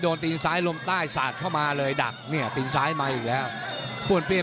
ดนตีนซ้ายลมใต้สาดเข้ามาเลยดักตีนซ้ายมาอยู่แหละครับ